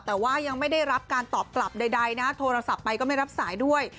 แต่ว่ายังไม่ได้รับการตอบกลับใดนะโทรศัพท์ไปก็ไม่รับสายด้วย